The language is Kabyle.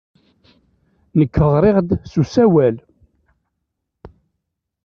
Nekk ɣriɣ-d s usawal.